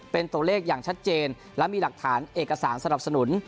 เป็นตัวเลขอย่างชัดเจนและมีหลักฐานเอกสารสนับสนุน